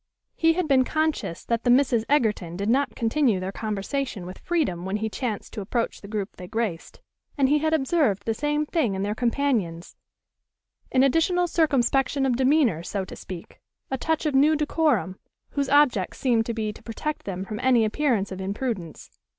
He had been conscious that the Misses Egerton did not continue their conversation with freedom when he chanced to approach the group they graced; and he had observed the same thing in their companions, an additional circumspection of demeanor, so to speak, a touch of new decorum, whose object seemed to be to protect them from any appearance of imprudence.